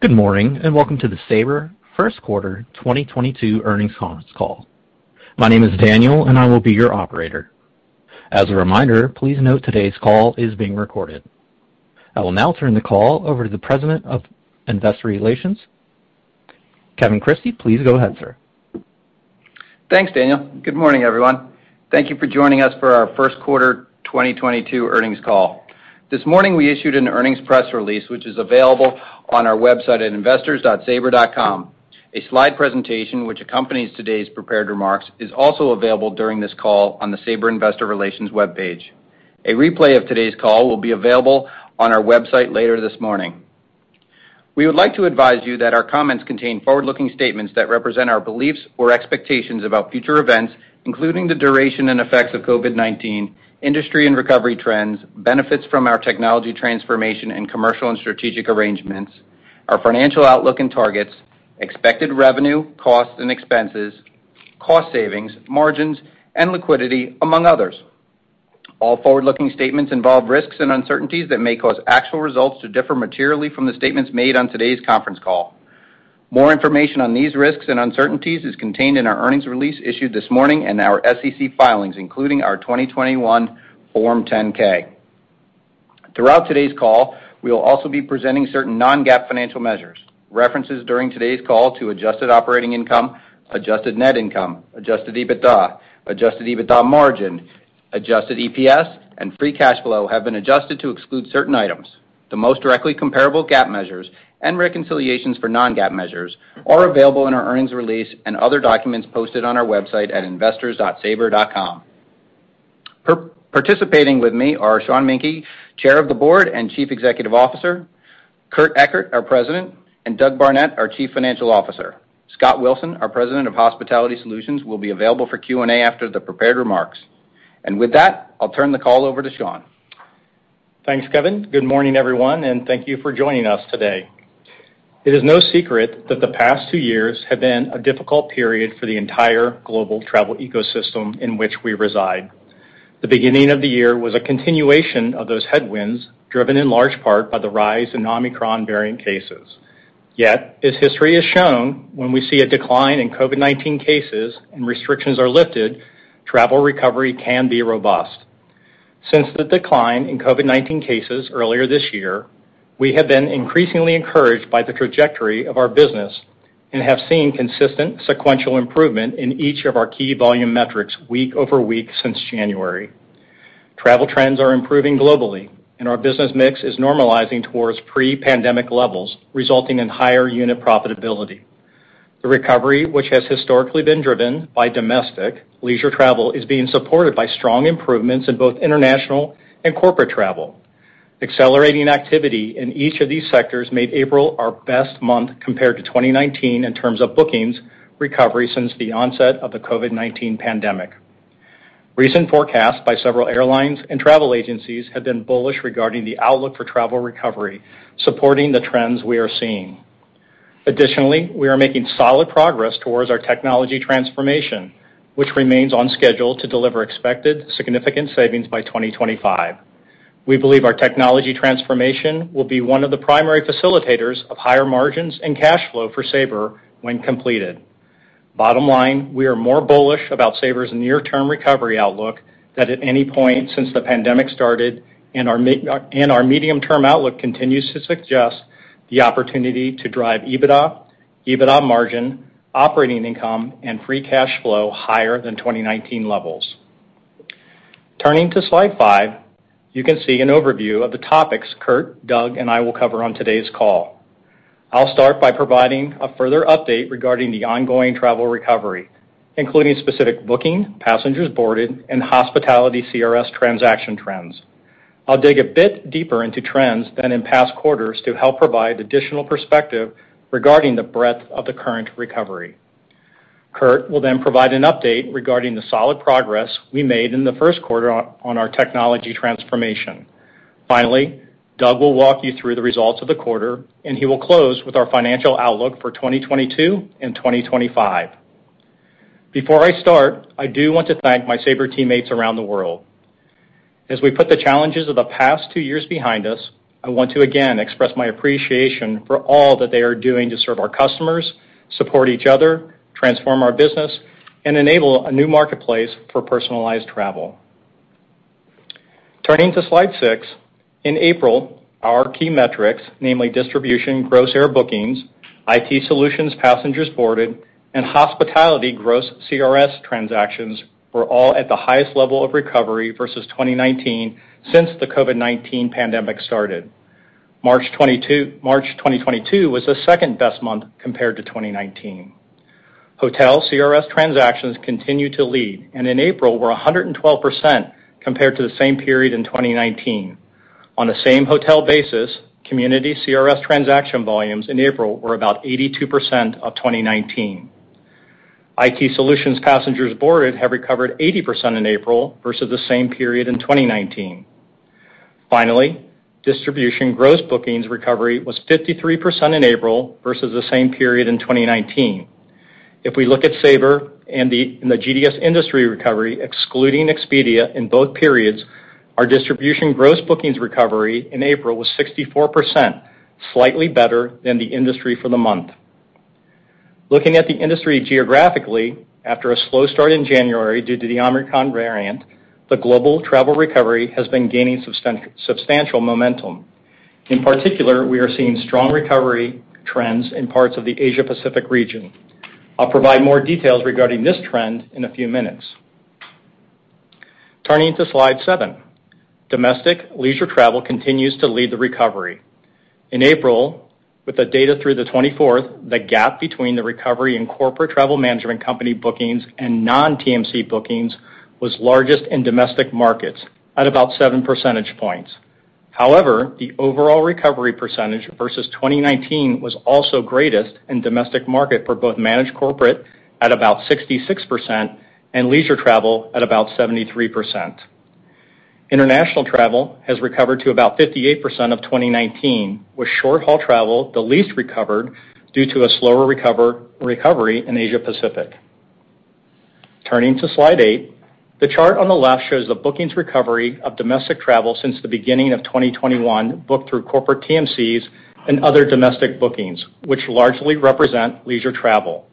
Good morning, and welcome to the Sabre First Quarter 2022 Earnings Conference Call. My name is Daniel, and I will be your operator. As a reminder, please note today's call is being recorded. I will now turn the call over to the President of Investor Relations. Kevin Crissey, please go ahead, sir. Thanks, Daniel. Good morning, everyone. Thank you for joining us for our First Quarter 2022 Earnings Call. This morning, we issued an earnings press release, which is available on our website at investors.sabre.com. A slide presentation which accompanies today's prepared remarks is also available during this call on the Sabre Investor Relations webpage. A replay of today's call will be available on our website later this morning. We would like to advise you that our comments contain forward-looking statements that represent our beliefs or expectations about future events, including the duration and effects of COVID-19, industry and recovery trends, benefits from our technology transformation and commercial and strategic arrangements, our financial outlook and targets, expected revenue, costs, and expenses, cost savings, margins, and liquidity, among others. All forward-looking statements involve risks and uncertainties that may cause actual results to differ materially from the statements made on today's conference call. More information on these risks and uncertainties is contained in our earnings release issued this morning and our SEC filings, including our 2021 Form 10-K. Throughout today's call, we will also be presenting certain non-GAAP financial measures. References during today's call to adjusted operating income, adjusted net income, adjusted EBITDA, adjusted EBITDA margin, adjusted EPS, and free cash flow have been adjusted to exclude certain items. The most directly comparable GAAP measures and reconciliations for non-GAAP measures are available in our earnings release and other documents posted on our website at investors.sabre.com. Participating with me are Sean Menke, Chair of the Board and Chief Executive Officer, Kurt Ekert, our President, and Doug Barnett, our Chief Financial Officer. Scott Wilson, our President of Hospitality Solutions, will be available for Q&A after the prepared remarks. With that, I'll turn the call over to Sean. Thanks, Kevin. Good morning, everyone, and thank you for joining us today. It is no secret that the past two years have been a difficult period for the entire global travel ecosystem in which we reside. The beginning of the year was a continuation of those headwinds, driven in large part by the rise in Omicron variant cases. Yet, as history has shown, when we see a decline in COVID-19 cases and restrictions are lifted, travel recovery can be robust. Since the decline in COVID-19 cases earlier this year, we have been increasingly encouraged by the trajectory of our business and have seen consistent sequential improvement in each of our key volume metrics week over week since January. Travel trends are improving globally, and our business mix is normalizing towards pre-pandemic levels, resulting in higher unit profitability. The recovery, which has historically been driven by domestic leisure travel, is being supported by strong improvements in both international and corporate travel. Accelerating activity in each of these sectors made April our best month compared to 2019 in terms of bookings recovery since the onset of the COVID-19 pandemic. Recent forecasts by several airlines and travel agencies have been bullish regarding the outlook for travel recovery, supporting the trends we are seeing. Additionally, we are making solid progress towards our technology transformation, which remains on schedule to deliver expected significant savings by 2025. We believe our technology transformation will be one of the primary facilitators of higher margins and cash flow for Sabre when completed. Bottom line, we are more bullish about Sabre's near-term recovery outlook than at any point since the pandemic started, and our mid- and medium-term outlook continues to suggest the opportunity to drive EBITDA margin, operating income, and free cash flow higher than 2019 levels. Turning to slide five, you can see an overview of the topics Kurt, Doug, and I will cover on today's call. I'll start by providing a further update regarding the ongoing travel recovery, including specific booking, passengers boarded, and hospitality CRS transaction trends. I'll dig a bit deeper into trends than in past quarters to help provide additional perspective regarding the breadth of the current recovery. Kurt will then provide an update regarding the solid progress we made in the first quarter on our technology transformation. Finally, Doug will walk you through the results of the quarter, and he will close with our financial outlook for 2022 and 2025. Before I start, I do want to thank my Sabre teammates around the world. As we put the challenges of the past two years behind us, I want to again express my appreciation for all that they are doing to serve our customers, support each other, transform our business, and enable a new marketplace for personalized travel. Turning to slide six, in April, our key metrics, namely Distribution gross air bookings, IT Solutions passengers boarded, and Hospitality gross CRS transactions, were all at the highest level of recovery vs 2019 since the COVID-19 pandemic started. March 2022 was the second-best month compared to 2019. Hotel CRS transactions continued to lead, and in April were 112% compared to the same period in 2019. On a same hotel basis, SynXis CRS transaction volumes in April were about 82% of 2019. IT Solutions passengers boarded have recovered 80% in April vs the same period in 2019. Finally, Distribution gross bookings recovery was 53% in April vs the same period in 2019. If we look at Sabre and the GDS industry recovery, excluding Expedia in both periods, our distribution gross bookings recovery in April was 64%, slightly better than the industry for the month. Looking at the industry geographically, after a slow start in January due to the Omicron variant, the global travel recovery has been gaining substantial momentum. In particular, we are seeing strong recovery trends in parts of the Asia Pacific region. I'll provide more details regarding this trend in a few minutes. Turning to slide seven. Domestic leisure travel continues to lead the recovery. In April, with the data through the 24th, the gap between the recovery and corporate travel management company bookings and non-TMC bookings was largest in domestic markets at about 7 percentage points. However, the overall recovery percentage vs 2019 was also greatest in domestic market for both managed corporate at about 66% and leisure travel at about 73%. International travel has recovered to about 58% of 2019, with short-haul travel the least recovered due to a slower recovery in Asia Pacific. Turning to slide eight. The chart on the left shows the bookings recovery of domestic travel since the beginning of 2021 booked through corporate TMCs and other domestic bookings, which largely represent leisure travel.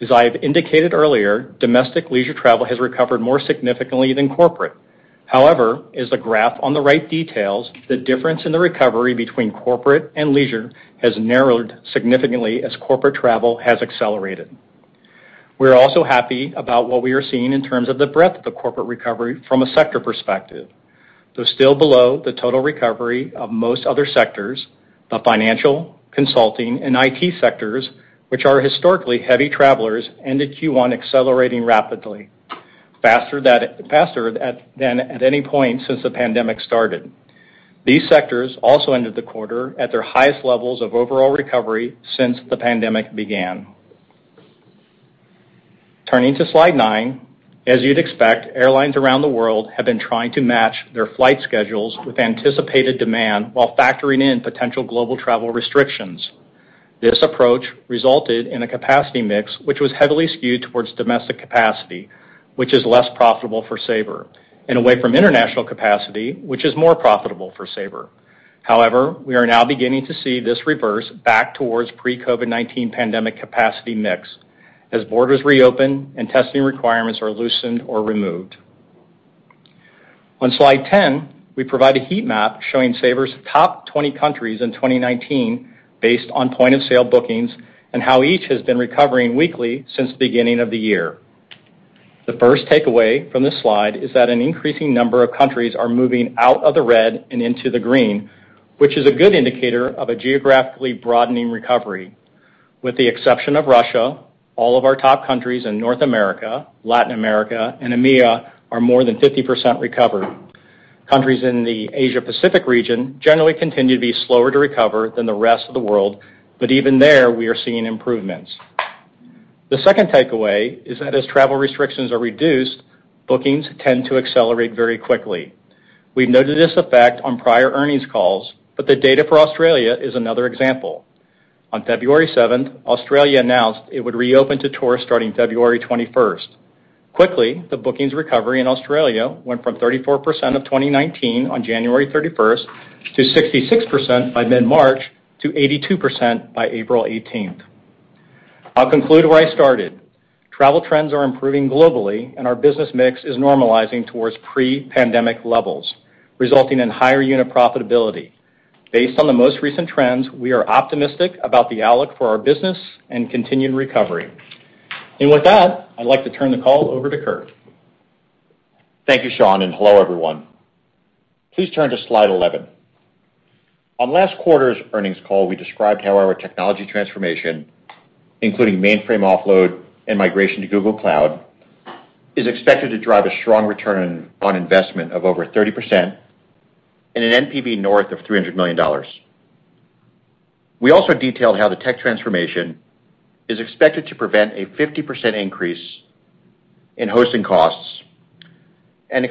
As I have indicated earlier, domestic leisure travel has recovered more significantly than corporate. However, as the graph on the right details, the difference in the recovery between corporate and leisure has narrowed significantly as corporate travel has accelerated. We're also happy about what we are seeing in terms of the breadth of corporate recovery from a sector perspective. Though still below the total recovery of most other sectors, the financial, consulting, and IT sectors, which are historically heavy travelers, ended Q1 accelerating rapidly, faster than at any point since the pandemic started. These sectors also ended the quarter at their highest levels of overall recovery since the pandemic began. Turning to slide nine. As you'd expect, airlines around the world have been trying to match their flight schedules with anticipated demand while factoring in potential global travel restrictions. This approach resulted in a capacity mix, which was heavily skewed towards domestic capacity, which is less profitable for Sabre, and away from international capacity, which is more profitable for Sabre. However, we are now beginning to see this reverse back towards pre-COVID-19 pandemic capacity mix as borders reopen and testing requirements are loosened or removed. On slide 10, we provide a heat map showing Sabre's top 20 countries in 2019 based on point of sale bookings and how each has been recovering weekly since the beginning of the year. The first takeaway from this slide is that an increasing number of countries are moving out of the red and into the green, which is a good indicator of a geographically broadening recovery. With the exception of Russia, all of our top countries in North America, Latin America, and EMEA are more than 50% recovered. Countries in the Asia Pacific region generally continue to be slower to recover than the rest of the world, but even there, we are seeing improvements. The second takeaway is that as travel restrictions are reduced, bookings tend to accelerate very quickly. We've noted this effect on prior earnings calls, but the data for Australia is another example. On February 7th, Australia announced it would reopen to tourists starting February 21st. Quickly, the bookings recovery in Australia went from 34% of 2019 on January 31st to 66% by mid-March to 82% by April 18th. I'll conclude where I started. Travel trends are improving globally and our business mix is normalizing towards pre-pandemic levels, resulting in higher unit profitability. Based on the most recent trends, we are optimistic about the outlook for our business and continued recovery. With that, I'd like to turn the call over to Kurt Ekert. Thank you, Sean, and hello, everyone. Please turn to slide 11. On last quarter's earnings call, we described how our technology transformation, including mainframe offload and migration to Google Cloud, is expected to drive a strong return on investment of over 30% and an NPV north of $300 million. We also detailed how the tech transformation is expected to prevent a 50% increase in hosting costs and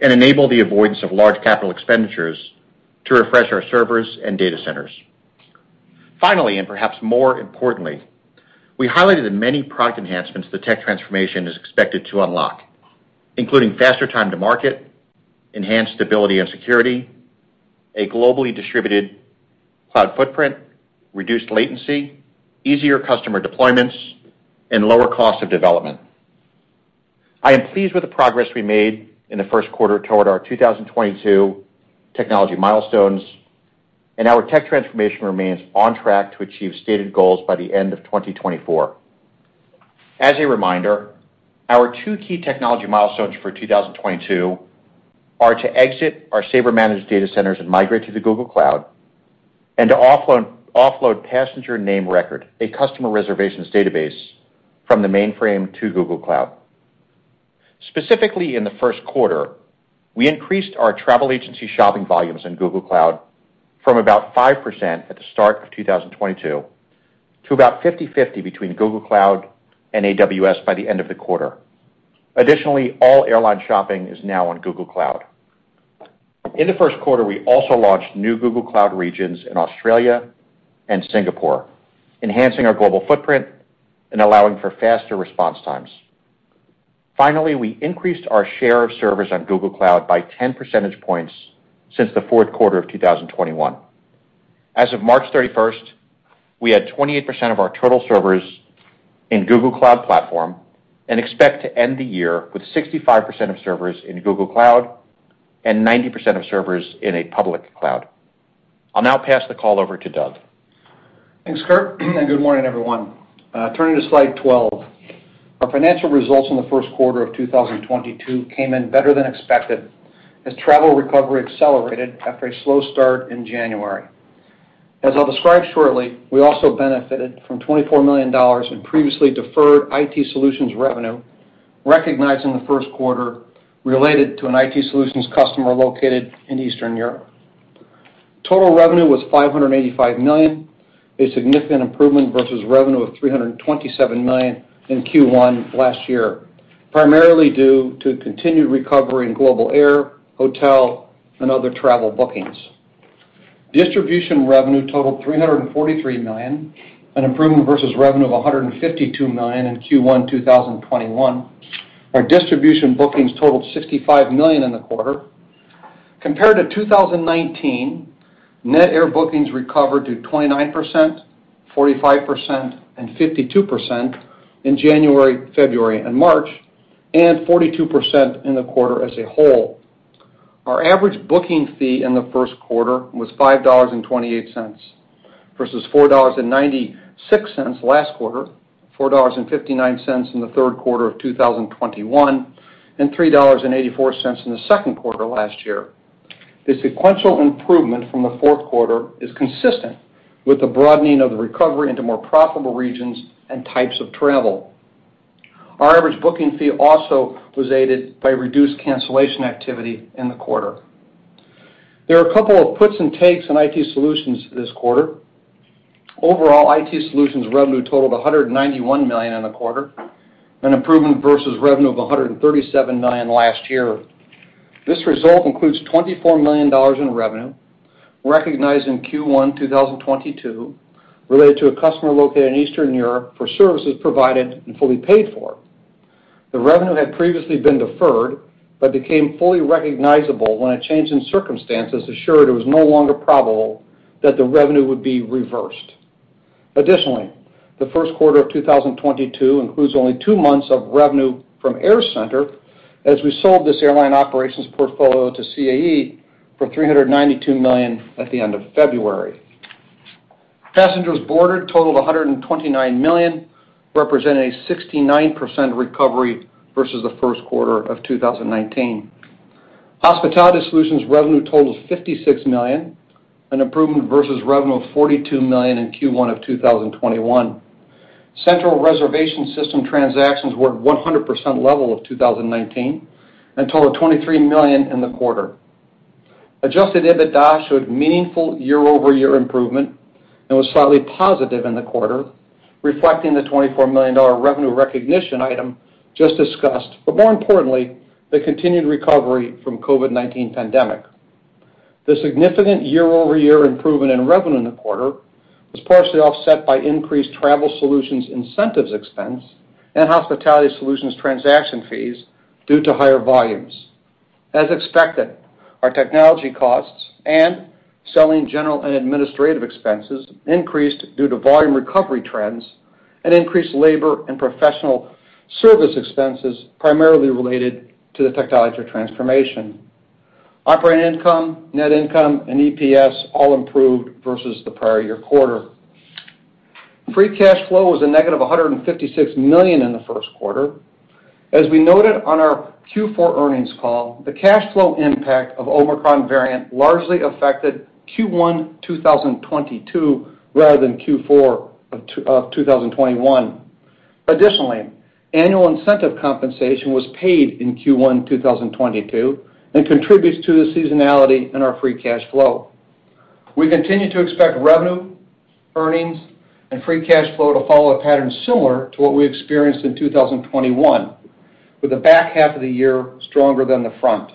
enable the avoidance of large capital expenditures to refresh our servers and data centers. Finally, and perhaps more importantly, we highlighted the many product enhancements the tech transformation is expected to unlock, including faster time to market, enhanced stability and security, a globally distributed cloud footprint, reduced latency, easier customer deployments, and lower cost of development. I am pleased with the progress we made in the first quarter toward our 2022 technology milestones, and our tech transformation remains on track to achieve stated goals by the end of 2024. As a reminder, our two key technology milestones for 2022 are to exit our Sabre managed data centers and migrate to the Google Cloud and to offload passenger name record, a customer reservations database, from the mainframe to Google Cloud. Specifically in the first quarter, we increased our travel agency shopping volumes in Google Cloud from about 5% at the start of 2022 to about 50/50 between Google Cloud and AWS by the end of the quarter. Additionally, all airline shopping is now on Google Cloud. In the first quarter, we also launched new Google Cloud regions in Australia and Singapore, enhancing our global footprint and allowing for faster response times. Finally, we increased our share of servers on Google Cloud by 10 percentage points since the fourth quarter of 2021. As of March 31st, we had 28% of our total servers in Google Cloud Platform, and expect to end the year with 65% of servers in Google Cloud and 90% of servers in a public cloud. I'll now pass the call over to Doug. Thanks, Kurt. Good morning, everyone. Turning to slide 12. Our financial results in the first quarter of 2022 came in better than expected as travel recovery accelerated after a slow start in January. As I'll describe shortly, we also benefited from $24 million in previously deferred IT Solutions revenue, recognized in the first quarter related to an IT Solutions customer located in Eastern Europe. Total revenue was $585 million, a significant improvement vs revenue of $327 million in Q1 last year, primarily due to continued recovery in global air, hotel, and other travel bookings. Distribution revenue totaled $343 million, an improvement vs revenue of $152 million in Q1 2021. Our distribution bookings totaled $65 million in the quarter. Compared to 2019, net air bookings recovered to 29%, 45%, and 52% in January, February, and March, and 42% in the quarter as a whole. Our average booking fee in the first quarter was $5.28 vs $4.96 last quarter, $4.59 in the third quarter of 2021, and $3.84 in the second quarter last year. The sequential improvement from the fourth quarter is consistent with the broadening of the recovery into more profitable regions and types of travel. Our average booking fee also was aided by reduced cancellation activity in the quarter. There are a couple of puts and takes in IT Solutions this quarter. Overall, IT Solutions revenue totaled $191 million in the quarter, an improvement vs revenue of $137 million last year. This result includes $24 million in revenue recognized in Q1 2022 related to a customer located in Eastern Europe for services provided and fully paid for. The revenue had previously been deferred, but became fully recognizable when a change in circumstances assured it was no longer probable that the revenue would be reversed. Additionally, the first quarter of 2022 includes only two months of revenue from AirCentre, as we sold this airline operations portfolio to CAE for $392 million at the end of February. Passengers boarded totaled 129 million, representing a 69% recovery vs the first quarter of 2019. Hospitality Solutions revenue totaled $56 million, an improvement vs revenue of $42 million in Q1 of 2021. Central reservation system transactions were at 100% level of 2019 and totaled 23 million in the quarter. Adjusted EBITDA showed meaningful year-over-year improvement and was slightly positive in the quarter, reflecting the $24 million revenue recognition item just discussed, but more importantly, the continued recovery from COVID-19 pandemic. The significant year-over-year improvement in revenue in the quarter was partially offset by increased travel solutions incentives expense and Hospitality Solutions transaction fees due to higher volumes. As expected, our technology costs and selling, general, and administrative expenses increased due to volume recovery trends and increased labor and professional service expenses primarily related to the technology transformation. Operating income, net income, and EPS all improved vs the prior year quarter. Free cash flow was a negative $156 million in the first quarter. As we noted on our Q4 earnings call, the cash flow impact of Omicron variant largely affected Q1 2022 rather than Q4 of 2021. Additionally, annual incentive compensation was paid in Q1 2022 and contributes to the seasonality in our free cash flow. We continue to expect revenue, earnings, and free cash flow to follow a pattern similar to what we experienced in 2021, with the back half of the year stronger than the front.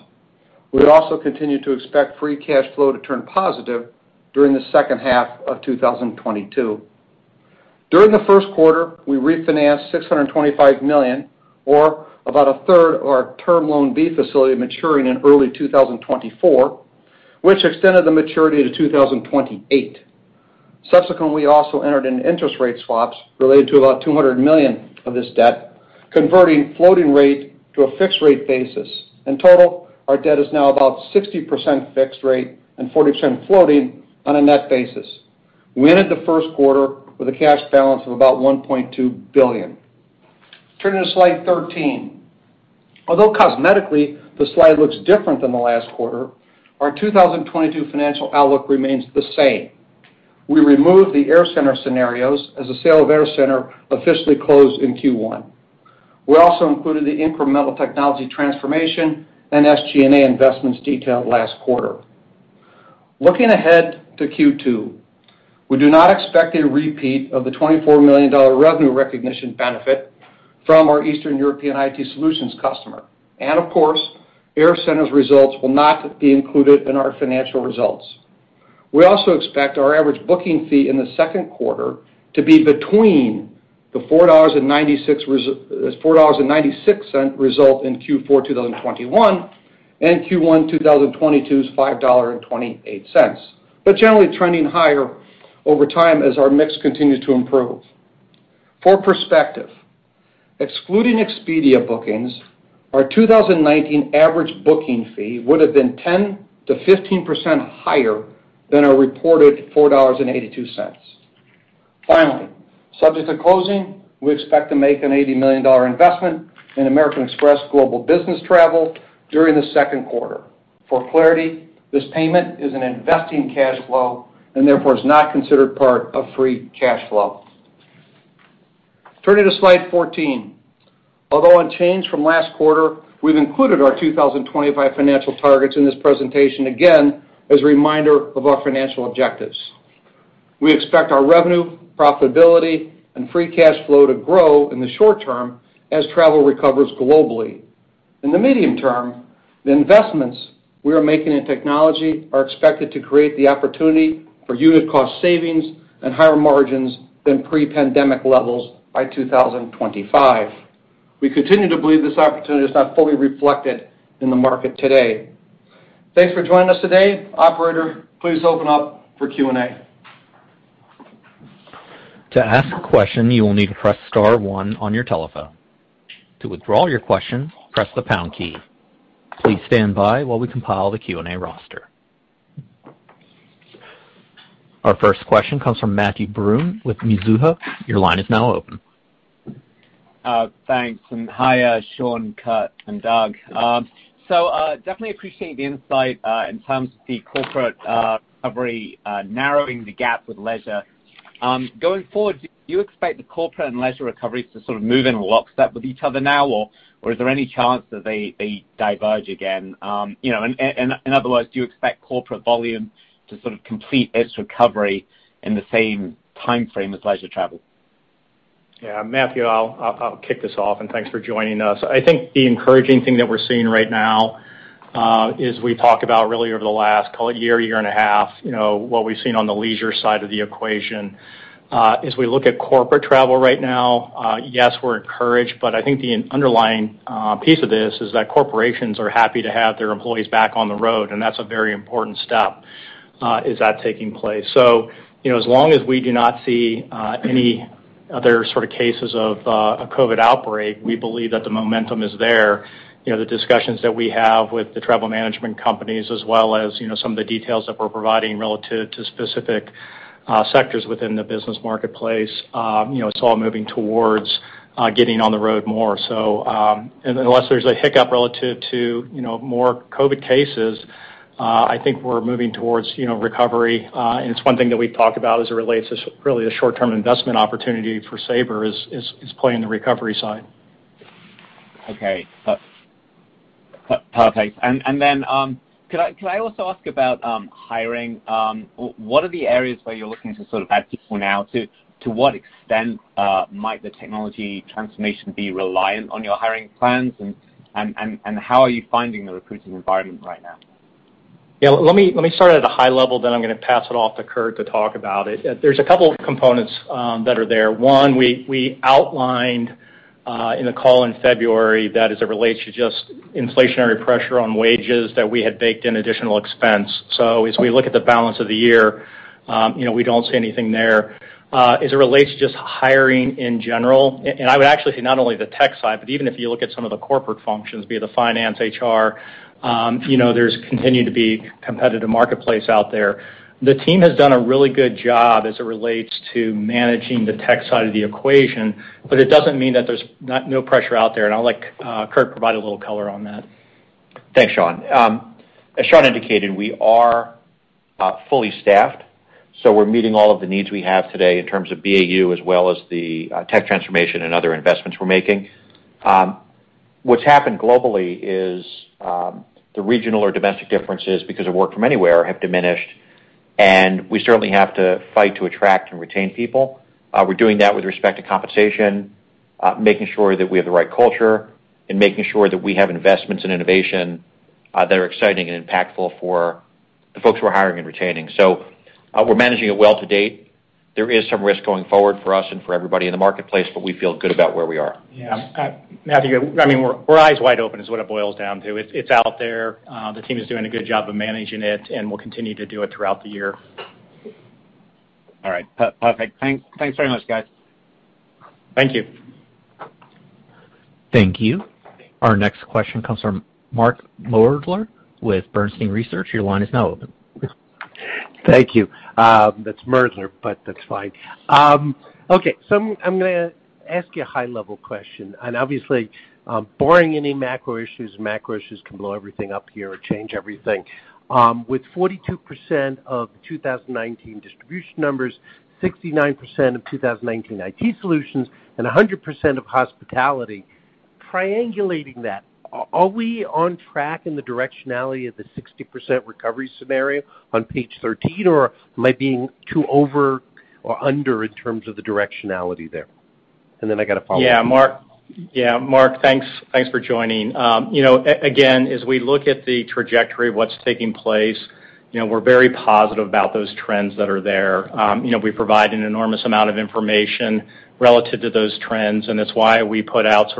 We would also continue to expect free cash flow to turn positive during the second half of 2022. During the first quarter, we refinanced $625 million, or about a third of our Term Loan B facility maturing in early 2024, which extended the maturity to 2028. Subsequently, we also entered into interest rate swaps related to about $200 million of this debt, converting floating rate to a fixed rate basis. In total, our debt is now about 60% fixed rate and 40% floating on a net basis. We ended the first quarter with a cash balance of about $1.2 billion. Turning to slide 13. Although cosmetically the slide looks different than the last quarter, our 2022 financial outlook remains the same. We removed the AirCentre scenarios as the sale of AirCentre officially closed in Q1. We also included the incremental technology transformation and SG&A investments detailed last quarter. Looking ahead to Q2, we do not expect a repeat of the $24 million revenue recognition benefit from our Eastern European IT solutions customer. Of course, AirCentre's results will not be included in our financial results. We also expect our average booking fee in the second quarter to be between the $4.96 result in Q4 2021 and Q1 2022's $5.28, but generally trending higher over time as our mix continues to improve. For perspective, excluding Expedia bookings, our 2019 average booking fee would have been 10%-15% higher than our reported $4.82. Finally, subject to closing, we expect to make an $80 million investment in American Express Global Business Travel during the second quarter. For clarity, this payment is an investing cash flow and therefore is not considered part of free cash flow. Turning to slide 14. Although unchanged from last quarter, we've included our 2025 financial targets in this presentation again as a reminder of our financial objectives. We expect our revenue, profitability, and free cash flow to grow in the short term as travel recovers globally. In the medium term, the investments we are making in technology are expected to create the opportunity for unit cost savings and higher margins than pre-pandemic levels by 2025. We continue to believe this opportunity is not fully reflected in the market today. Thanks for joining us today. Operator, please open up for Q&A. To ask a question, you will need to press star one on your telephone. To withdraw your question, press the pound key. Please stand by while we compile the Q&A roster. Our first question comes from Matthew Broome with Mizuho. Your line is now open. Thanks, and hi, Sean, Kurt, and Doug. Definitely appreciate the insight in terms of the corporate recovery narrowing the gap with leisure. Going forward, do you expect the corporate and leisure recoveries to sort of move in lockstep with each other now, or is there any chance that they diverge again? You know, and otherwise, do you expect corporate volume to sort of complete its recovery in the same timeframe as leisure travel? Yeah. Matthew, I'll kick this off, and thanks for joining us. I think the encouraging thing that we're seeing right now is we talked about really over the last, call it year and a half, you know, what we've seen on the leisure side of the equation. As we look at corporate travel right now, yes, we're encouraged, but I think the underlying piece of this is that corporations are happy to have their employees back on the road, and that's a very important step. Is that taking place? You know, as long as we do not see any other sort of cases of a COVID outbreak, we believe that the momentum is there. You know, the discussions that we have with the travel management companies, as well as, you know, some of the details that we're providing relative to specific sectors within the business marketplace, you know, it's all moving towards getting on the road more. Unless there's a hiccup relative to, you know, more COVID cases, I think we're moving towards, you know, recovery. It's one thing that we've talked about as it relates to really the short-term investment opportunity for Sabre is playing the recovery side. Okay. Perfect. Could I also ask about hiring? What are the areas where you're looking to sort of add people now? To what extent might the technology transformation be reliant on your hiring plans, and how are you finding the recruiting environment right now? Yeah. Let me start at a high level, then I'm gonna pass it off to Kurt to talk about it. There's a couple components that are there. One, we outlined in the call in February that as it relates to just inflationary pressure on wages, that we had baked in additional expense. As we look at the balance of the year, you know, we don't see anything there. As it relates to just hiring in general, and I would actually say not only the tech side, but even if you look at some of the corporate functions, be it the finance, HR, you know, there's continued to be competitive marketplace out there. The team has done a really good job as it relates to managing the tech side of the equation, but it doesn't mean that there's not no pressure out there, and I'll let Kurt provide a little color on that. Thanks, Sean. As Sean indicated, we are fully staffed, so we're meeting all of the needs we have today in terms of BAU as well as the tech transformation and other investments we're making. What's happened globally is the regional or domestic differences because of work from anywhere have diminished, and we certainly have to fight to attract and retain people. We're doing that with respect to compensation, making sure that we have the right culture, and making sure that we have investments in innovation that are exciting and impactful for the folks we're hiring and retaining. We're managing it well to date. There is some risk going forward for us and for everybody in the marketplace, but we feel good about where we are. Yeah. Matthew, I mean, we're eyes wide open is what it boils down to. It's out there. The team is doing a good job of managing it, and we'll continue to do it throughout the year. All right. Perfect. Thanks very much, guys. Thank you. Thank you. Our next question comes from Mark Moerdler with Bernstein Research. Your line is now open. Thank you. That's Moerdler, but that's fine. I'm gonna ask you a high-level question. Obviously, barring any macro issues, macro issues can blow everything up here or change everything. With 42% of 2019 distribution numbers, 69% of 2019 IT solutions, and 100% of hospitality. Triangulating that, are we on track in the directionality of the 60% recovery scenario on page 13, or am I being too over or under in terms of the directionality there? Then I got a follow-up question. Yeah. Mark. Yeah, Mark, thanks for joining. You know, again, as we look at the trajectory of what's taking place, you know, we're very positive about those trends that are there. You know, we provide an enormous amount of information relative to those trends, and it's why we put out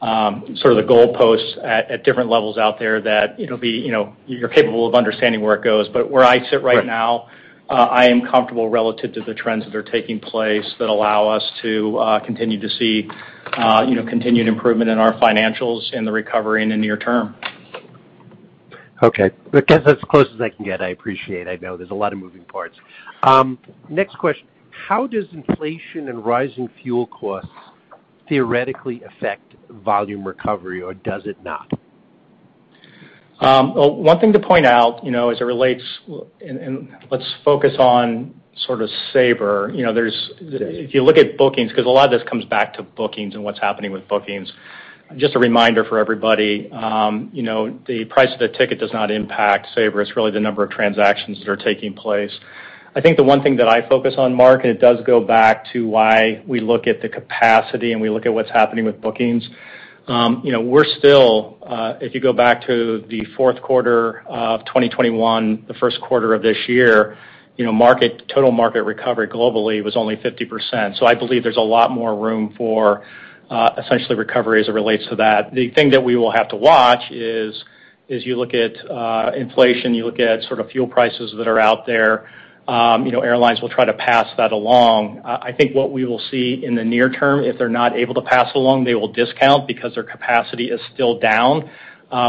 sort of the goalposts at different levels out there that it'll be, you know, you're capable of understanding where it goes. But where I sit right now. Right I am comfortable relative to the trends that are taking place that allow us to continue to see, you know, continued improvement in our financials and the recovery in the near term. Okay. I guess that's as close as I can get. I appreciate. I know there's a lot of moving parts. Next question: How does inflation and rising fuel costs theoretically affect volume recovery, or does it not? One thing to point out, you know, as it relates, and let's focus on sort of Sabre. You know, there's. Yes If you look at bookings, 'cause a lot of this comes back to bookings and what's happening with bookings. Just a reminder for everybody, you know, the price of the ticket does not impact Sabre. It's really the number of transactions that are taking place. I think the one thing that I focus on, Mark, and it does go back to why we look at the capacity and we look at what's happening with bookings, you know, we're still if you go back to the fourth quarter of 2021, the first quarter of this year, you know, market recovery globally was only 50%. I believe there's a lot more room for essentially recovery as it relates to that. The thing that we will have to watch is, as you look at inflation, you look at sort of fuel prices that are out there, you know, airlines will try to pass that along. I think what we will see in the near term, if they're not able to pass along, they will discount because their capacity is still down,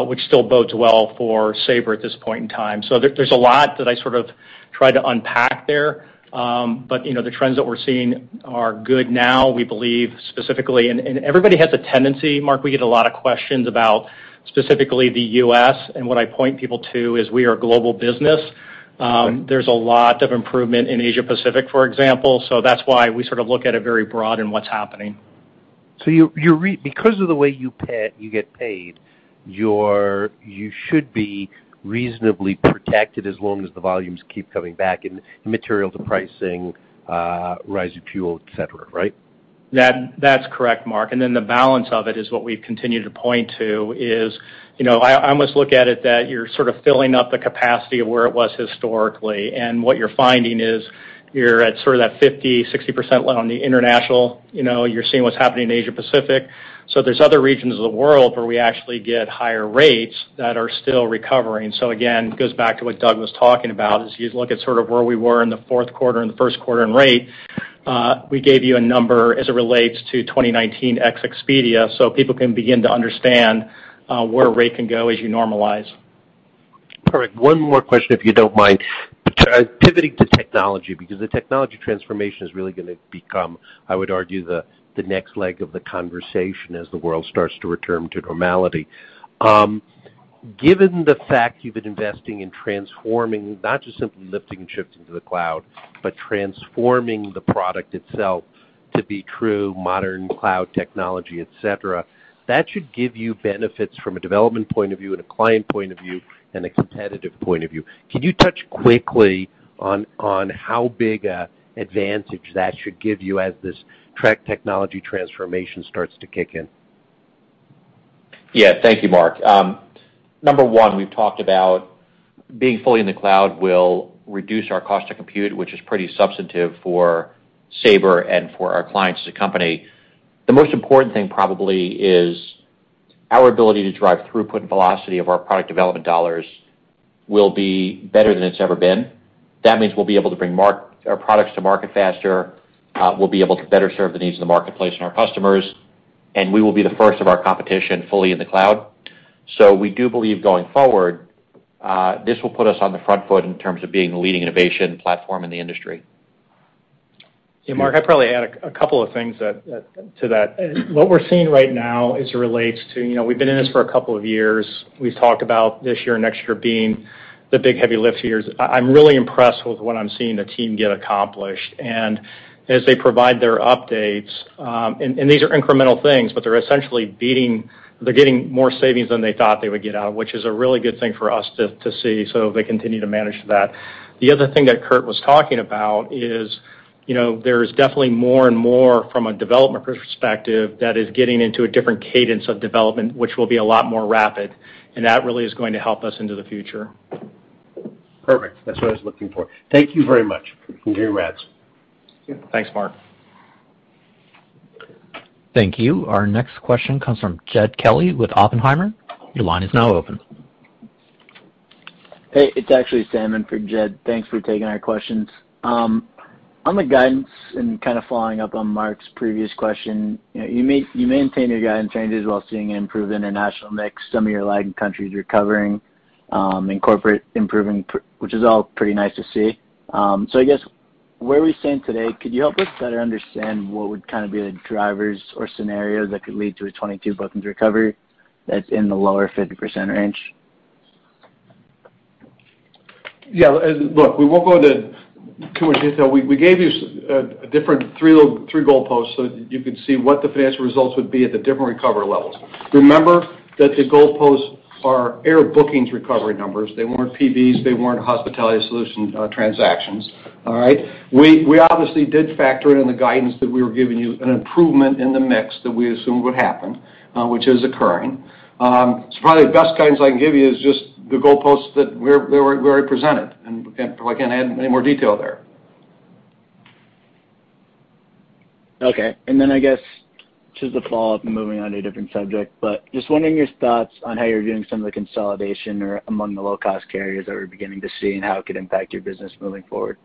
which still bodes well for Sabre at this point in time. There, there's a lot that I sort of tried to unpack there. But, you know, the trends that we're seeing are good now, we believe specifically. And everybody has a tendency, Mark, we get a lot of questions about specifically the U.S., and what I point people to is we are a global business. Right There's a lot of improvement in Asia Pacific, for example. That's why we sort of look at it very broad in what's happening. Because of the way you get paid, you should be reasonably protected as long as the volumes keep coming back, immaterial to pricing, rise in fuel, et cetera, right? That's correct, Mark. The balance of it is what we've continued to point to is, you know, I almost look at it that you're sort of filling up the capacity of where it was historically. What you're finding is you're at sort of that 50-60% on the international. You know, you're seeing what's happening in Asia Pacific. There's other regions of the world where we actually get higher rates that are still recovering. Again, it goes back to what Doug was talking about, is you look at sort of where we were in the fourth quarter and the first quarter in rate, we gave you a number as it relates to 2019 ex Expedia, so people can begin to understand, where rate can go as you normalize. Perfect. One more question, if you don't mind. Pivoting to technology, because the technology transformation is really gonna become, I would argue, the next leg of the conversation as the world starts to return to normality. Given the fact you've been investing in transforming, not just simply lifting and shifting to the cloud, but transforming the product itself to be true modern cloud technology, et cetera, that should give you benefits from a development point of view and a client point of view and a competitive point of view. Can you touch quickly on how big a advantage that should give you as this technology transformation starts to kick in? Yeah. Thank you, Mark. Number one, we've talked about being fully in the cloud will reduce our cost to compute, which is pretty substantive for Sabre and for our clients as a company. The most important thing probably is our ability to drive throughput and velocity of our product development dollars will be better than it's ever been. That means we'll be able to bring products to market faster, we'll be able to better serve the needs of the marketplace and our customers, and we will be the first of our competition fully in the cloud. We do believe going forward, this will put us on the front foot in terms of being the leading innovation platform in the industry. Yeah, Mark, I'd probably add a couple of things to that. What we're seeing right now as it relates to, you know, we've been in this for a couple of years. We've talked about this year and next year being the big heavy lift years. I'm really impressed with what I'm seeing the team get accomplished. As they provide their updates, and these are incremental things, but they're essentially getting more savings than they thought they would get out, which is a really good thing for us to see. They continue to manage that. The other thing that Kurt was talking about is, you know, there's definitely more and more from a development perspective that is getting into a different cadence of development, which will be a lot more rapid, and that really is going to help us into the future. Perfect. That's what I was looking for. Thank you very much. Congrats. Yeah. Thanks, Mark. Thank you. Our next question comes from Jed Kelly with Oppenheimer. Your line is now open. Hey, it's actually Salman for Jed. Thanks for taking our questions. On the guidance, and kind of following up on Mark's previous question, you know, you maintain your guidance changes while seeing improved international mix, some of your lagging countries recovering, and corporate improving, which is all pretty nice to see. So I guess where are we standing today? Could you help us better understand what would kind of be the drivers or scenarios that could lead to a 2022 bookings recovery that's in the lower 50% range? Yeah. Look, we won't go into too much detail. We gave you different three goalposts so that you could see what the financial results would be at the different recovery levels. Remember that the goalposts are air bookings recovery numbers. They weren't PVs, they weren't Hospitality Solutions transactions. All right? We obviously did factor in the guidance that we were giving you an improvement in the mix that we assumed would happen, which is occurring. Probably the best guidance I can give you is just the goalposts that we already presented, and probably can't add any more detail there. Okay. I guess just to follow up and moving on to a different subject, but just wondering your thoughts on how you're doing some of the consolidation or among the low-cost carriers that we're beginning to see and how it could impact your business moving forward.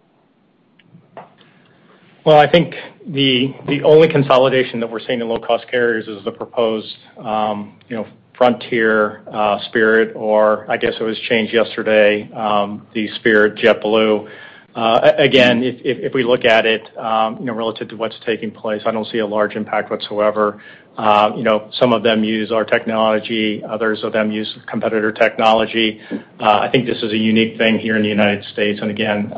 Well, I think the only consolidation that we're seeing in low-cost carriers is the proposed, you know, Frontier, Spirit, or I guess it was changed yesterday, the Spirit JetBlue. Again, if we look at it, you know, relative to what's taking place, I don't see a large impact whatsoever. You know, some of them use our technology, others of them use competitor technology. I think this is a unique thing here in the United States. Again,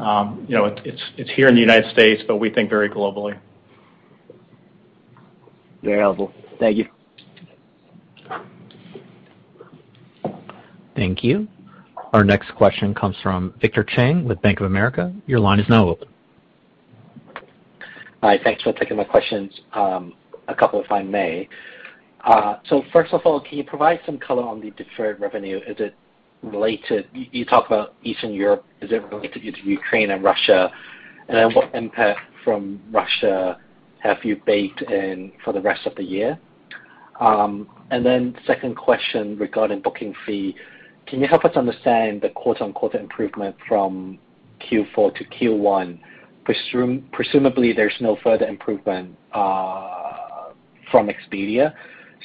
you know, it's here in the United States, but we think very globally. Very helpful. Thank you. Thank you. Our next question comes from Victor Chang with Bank of America. Your line is now open. Hi. Thanks for taking my questions. A couple, if I may. So first of all, can you provide some color on the deferred revenue? Is it related? You talk about Eastern Europe, is it related to Ukraine and Russia? And then what impact from Russia have you baked in for the rest of the year? And then second question regarding booking fee, can you help us understand the quarter-on-quarter improvement from Q4 to Q1? Presumably, there's no further improvement from Expedia,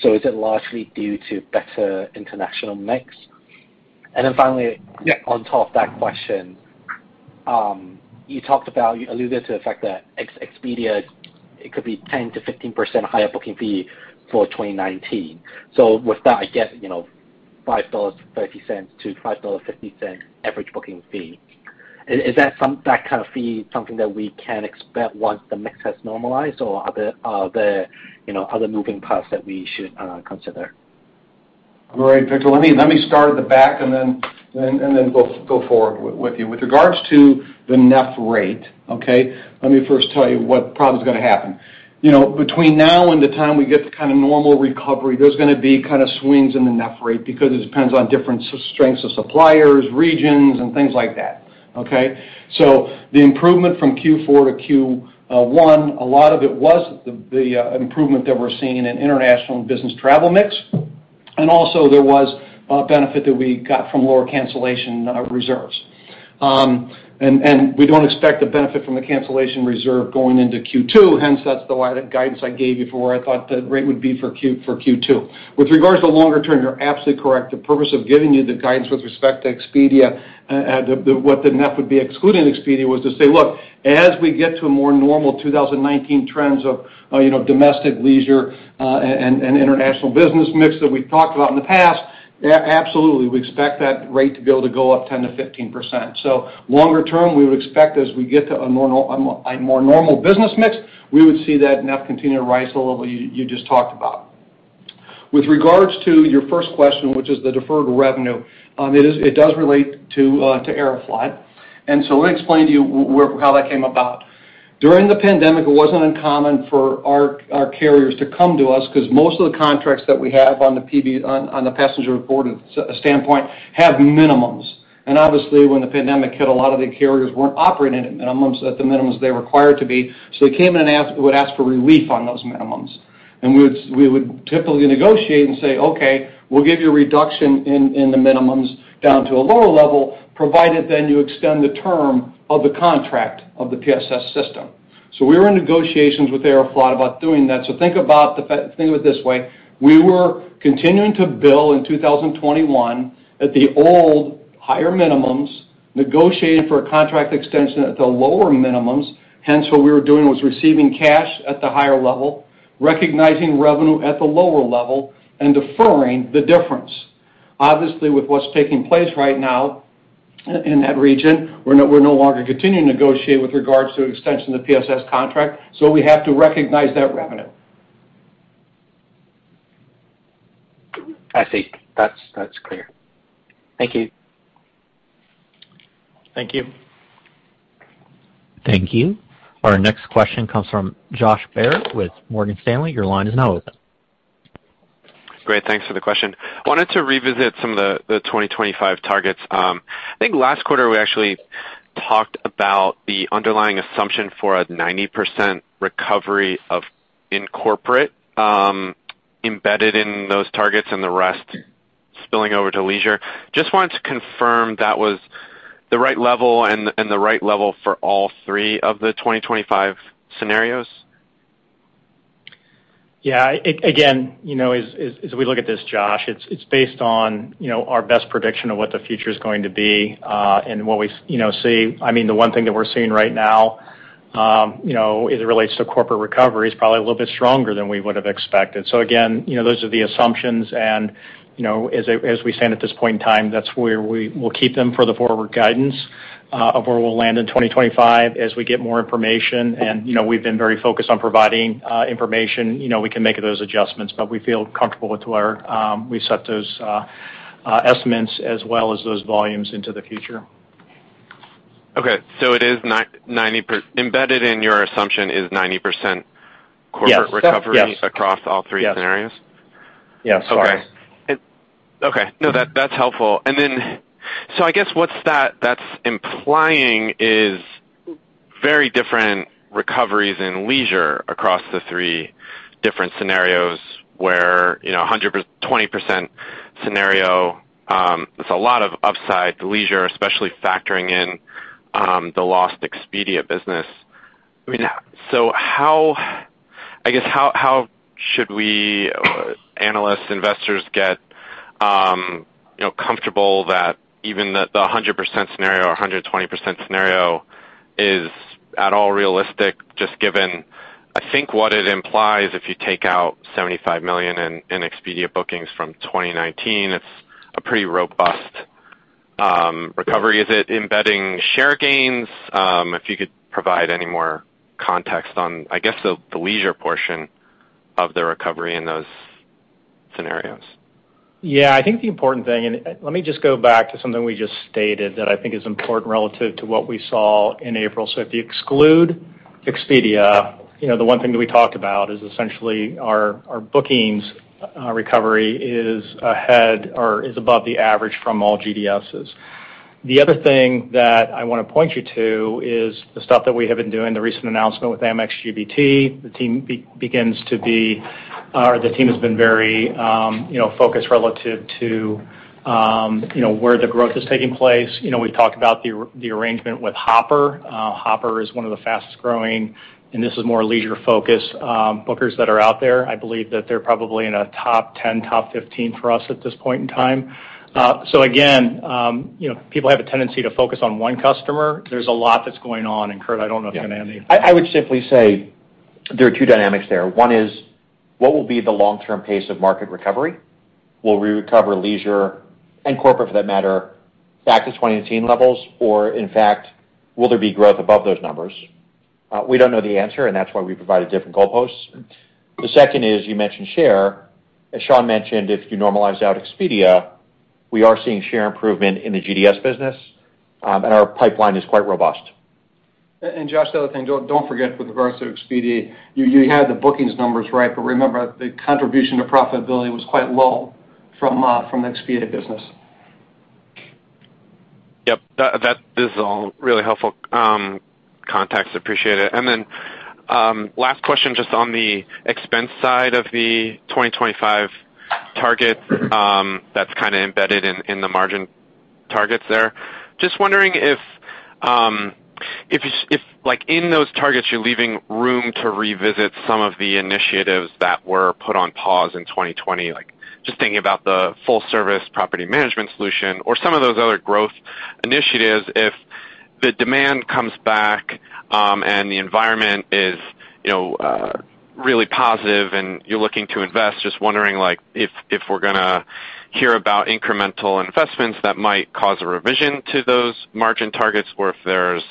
so is it largely due to better international mix? And then finally Yeah. On top of that question, you talked about, you alluded to the fact that Expedia, it could be 10%-15% higher booking fee for 2019. With that, I get, you know, $5.30-$5.50 average booking fee. Is that kind of fee something that we can expect once the mix has normalized, or are there, you know, other moving parts that we should consider? Great, Victor. Let me start at the back and then go forward with you. With regards to the NEF rate, okay, let me first tell you what probably is gonna happen. You know, between now and the time we get the kind of normal recovery, there's gonna be kind of swings in the NEF rate because it depends on different strengths of suppliers, regions, and things like that. Okay? The improvement from Q4 to Q1, a lot of it was the improvement that we're seeing in international and business travel mix. Also, there was a benefit that we got from lower cancellation reserves. We don't expect the benefit from the cancellation reserve going into Q2, hence that's the guidance I gave you for where I thought the rate would be for Q2. With regards to longer term, you're absolutely correct. The purpose of giving you the guidance with respect to Expedia, the, what the NEF would be excluding Expedia was to say, "Look, as we get to a more normal 2019 trends of, you know, domestic leisure, and international business mix that we've talked about in the past, absolutely, we expect that rate to be able to go up 10%-15%." Longer term, we would expect as we get to a more normal business mix, we would see that NEF continue to rise to the level you just talked about. With regards to your first question, which is the deferred revenue, it does relate to Aeroflot. Let me explain to you how that came about. During the pandemic, it wasn't uncommon for our carriers to come to us because most of the contracts that we have on the PB standpoint have minimums. Obviously, when the pandemic hit, a lot of the carriers weren't operating at minimums, at the minimums they were required to be. They came in and would ask for relief on those minimums. We would typically negotiate and say, "Okay, we'll give you a reduction in the minimums down to a lower level, provided then you extend the term of the contract of the PSS system." We were in negotiations with Aeroflot about doing that. Think of it this way, we were continuing to bill in 2021 at the old higher minimums, negotiating for a contract extension at the lower minimums. Hence, what we were doing was receiving cash at the higher level, recognizing revenue at the lower level, and deferring the difference. Obviously, with what's taking place right now in that region, we're no longer continuing to negotiate with regards to an extension of the PSS contract, so we have to recognize that revenue. I see. That's clear. Thank you. Thank you. Thank you. Our next question comes from Josh Baer with Morgan Stanley. Your line is now open. Great. Thanks for the question. I wanted to revisit some of the 2025 targets. I think last quarter we actually talked about the underlying assumption for a 90% recovery in corporate embedded in those targets and the rest spilling over to leisure. Just wanted to confirm that was the right level and the right level for all three of the 2025 scenarios. Yeah. Again, you know, as we look at this, Josh, it's based on, you know, our best prediction of what the future is going to be, and what we see. I mean, the one thing that we're seeing right now, you know, as it relates to corporate recovery, is probably a little bit stronger than we would've expected. Again, you know, those are the assumptions and, you know, as we stand at this point in time, that's where we will keep them for the forward guidance of where we'll land in 2025 as we get more information. You know, we've been very focused on providing information, you know, we can make those adjustments, but we feel comfortable with where we set those estimates as well as those volumes into the future. Okay. It is 90% embedded in your assumption is 90% corporate recovery. Yes. That's yes. Across all three scenarios? Yes. As far as Okay. No, that's helpful. I guess what that is implying is very different recoveries in leisure across the three different scenarios where, you know, a 100%-120% scenario, there's a lot of upside to leisure, especially factoring in the lost Expedia business. I mean, how should we, analysts, investors get, you know, comfortable that even the 100% scenario or 120% scenario is at all realistic just given, I think, what it implies if you take out $75 million in Expedia bookings from 2019, it's a pretty robust recovery. Is it embedding share gains? If you could provide any more context on, I guess, the leisure portion of the recovery in those scenarios. Yeah. I think the important thing, and let me just go back to something we just stated that I think is important relative to what we saw in April. If you exclude Expedia, you know, the one thing that we talked about is essentially our bookings recovery is ahead or is above the average from all GDSs. The other thing that I wanna point you to is the stuff that we have been doing, the recent announcement with Amex GBT. The team has been very, you know, focused relative to, you know, where the growth is taking place. You know, we've talked about the arrangement with Hopper. Hopper is one of the fastest-growing, and this is more leisure-focused bookers that are out there. I believe that they're probably in a top 10, top 15 for us at this point in time. Again, you know, people have a tendency to focus on one customer. There's a lot that's going on. Kurt, I don't know if you wanna add any. Yeah. I would simply say there are two dynamics there. One is what will be the long-term pace of market recovery? Will we recover leisure and corporate, for that matter, back to 2019 levels? Or in fact, will there be growth above those numbers? We don't know the answer, and that's why we provide a different goalposts. The second is you mentioned share. As Sean mentioned, if you normalize out Expedia, we are seeing share improvement in the GDS business, and our pipeline is quite robust. Josh, the other thing, don't forget with regards to Expedia, you had the bookings numbers, right? Remember, the contribution to profitability was quite low from the Expedia business. Yep. That this is all really helpful context. Appreciate it. Then, last question, just on the expense side of the 2025 target, that's kinda embedded in the margin targets there. Just wondering if, like, in those targets, you're leaving room to revisit some of the initiatives that were put on pause in 2020, like just thinking about the full service property management solution or some of those other growth initiatives. If the demand comes back and the environment is, you know, really positive and you're looking to invest, just wondering, like, if we're gonna hear about incremental investments that might cause a revision to those margin targets or if there's,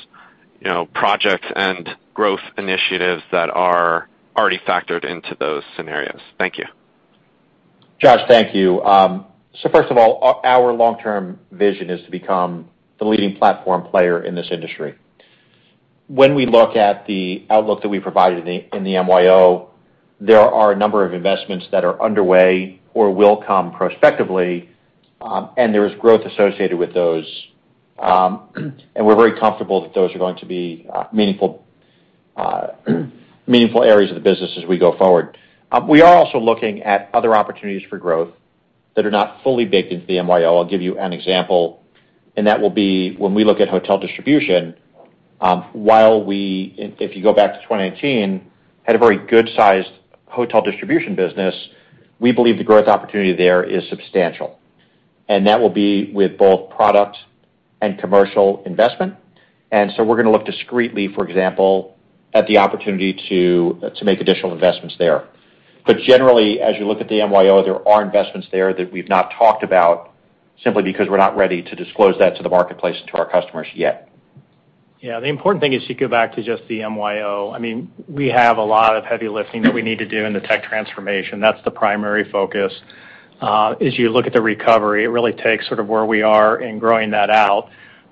you know, projects and growth initiatives that are already factored into those scenarios. Thank you. Josh, thank you. So first of all, our long-term vision is to become the leading platform player in this industry. When we look at the outlook that we provided in the MYO, there are a number of investments that are underway or will come prospectively, and there is growth associated with those. We're very comfortable that those are going to be meaningful areas of the business as we go forward. We are also looking at other opportunities for growth that are not fully baked into the MYO. I'll give you an example, and that will be when we look at hotel distribution, while we, if you go back to 2019, had a very good sized hotel distribution business, we believe the growth opportunity there is substantial. That will be with both product and commercial investment. We're gonna look discreetly, for example, at the opportunity to make additional investments there. Generally, as you look at the MYO, there are investments there that we've not talked about simply because we're not ready to disclose that to the marketplace and to our customers yet. Yeah. The important thing is you go back to just the MYO. I mean, we have a lot of heavy lifting that we need to do in the tech transformation. That's the primary focus. As you look at the recovery, it really takes sort of where we are in growing that out.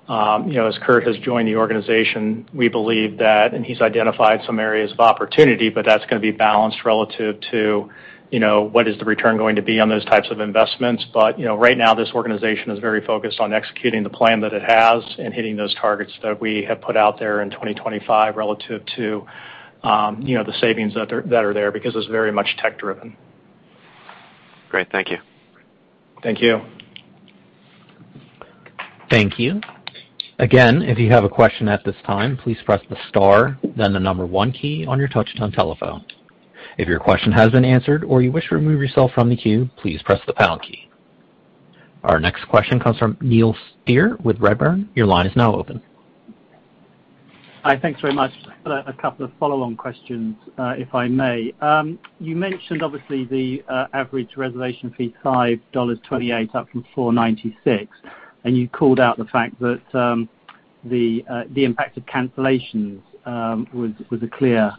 You know, as Kurt has joined the organization, we believe that he's identified some areas of opportunity, but that's gonna be balanced relative to, you know, what is the return going to be on those types of investments. You know, right now, this organization is very focused on executing the plan that it has and hitting those targets that we have put out there in 2025 relative to, you know, the savings that are there because it's very much tech-driven. Great. Thank you. Thank you. Thank you. Again, if you have a question at this time, please press the star, then the number one key on your touchtone telephone. If your question has been answered or you wish to remove yourself from the queue, please press the pound key. Our next question comes from Neil Steer with Redburn. Your line is now open. Hi. Thanks very much. I've got a couple of follow-on questions, if I may. You mentioned obviously the average reservation fee, $5.28 up from $4.96, and you called out the fact that the impact of cancellations was a clear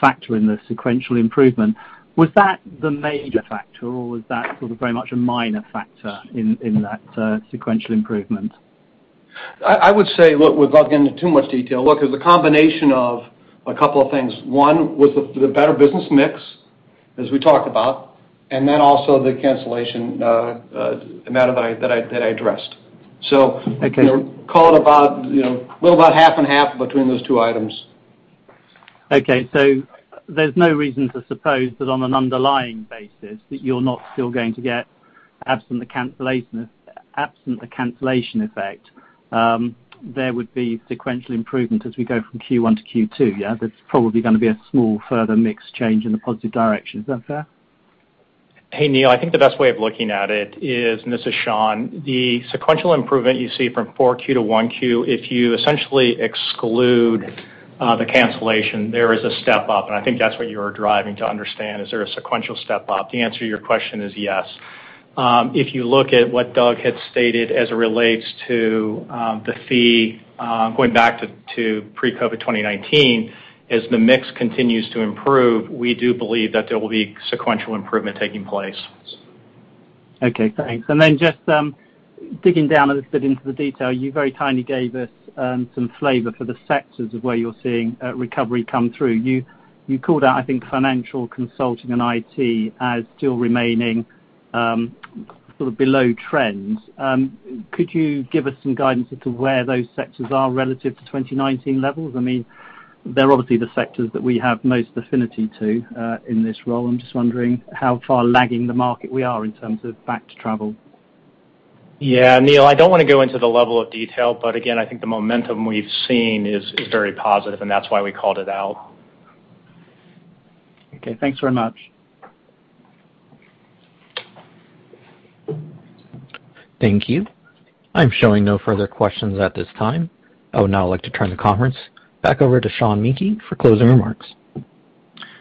factor in the sequential improvement. Was that the major factor, or was that sort of very much a minor factor in that sequential improvement? I would say, look, without getting into too much detail. Look, it's a combination of a couple of things. One was the better business mix, as we talked about, and then also the cancellation amount of that I addressed. Okay. Call it about, you know, well, about half and half between those two items. Okay. There's no reason to suppose that on an underlying basis that you're not still going to get absent the cancellation, absent the cancellation effect, there would be sequential improvement as we go from Q1 to Q2, yeah? There's probably gonna be a small further mix change in the positive direction. Is that fair? Hey, Neil. I think the best way of looking at it is, and this is Sean Menke, the sequential improvement you see from Q4 to Q1, if you essentially exclude the cancellation, there is a step up, and I think that's what you're driving to understand, is there a sequential step-up? The answer to your question is yes. If you look at what Doug Barnett had stated as it relates to the fee going back to pre-COVID 2019, as the mix continues to improve, we do believe that there will be sequential improvement taking place. Okay, thanks. Just digging down a little bit into the detail, you very kindly gave us some flavor for the sectors of where you're seeing a recovery come through. You called out, I think, financial consulting and IT as still remaining sort of below trend. Could you give us some guidance as to where those sectors are relative to 2019 levels? I mean, they're obviously the sectors that we have most affinity to in this role. I'm just wondering how far lagging the market we are in terms of back to travel. Yeah. Neil, I don't wanna go into the level of detail, but again, I think the momentum we've seen is very positive, and that's why we called it out. Okay. Thanks very much. Thank you. I'm showing no further questions at this time. I would now like to turn the conference back over to Sean Menke for closing remarks.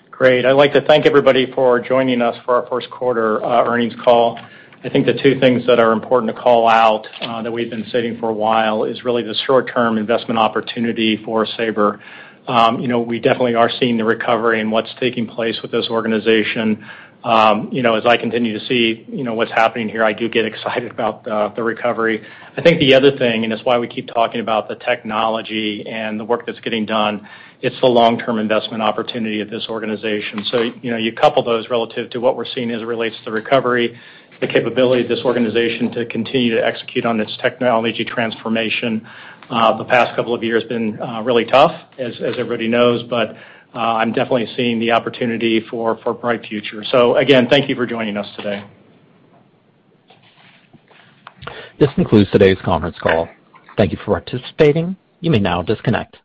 Great. I'd like to thank everybody for joining us for our first quarter earnings call. I think the two things that are important to call out that we've been stating for a while is really the short-term investment opportunity for Sabre. You know, we definitely are seeing the recovery and what's taking place with this organization. You know, as I continue to see, you know, what's happening here, I do get excited about the recovery. I think the other thing, and it's why we keep talking about the technology and the work that's getting done, it's the long-term investment opportunity at this organization. You know, you couple those relative to what we're seeing as it relates to recovery, the capability of this organization to continue to execute on its technology transformation. The past couple of years been really tough as everybody knows, but I'm definitely seeing the opportunity for a bright future. Again, thank you for joining us today. This concludes today's conference call. Thank you for participating. You may now disconnect.